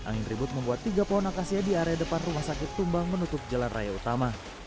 angin ribut membuat tiga pohon akasia di area depan rumah sakit tumbang menutup jalan raya utama